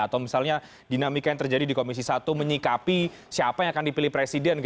atau misalnya dinamika yang terjadi di komisi satu menyikapi siapa yang akan dipilih presiden